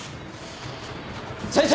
先生！？